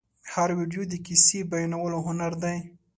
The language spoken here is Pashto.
هره ویډیو د کیسې بیانولو هنر دی.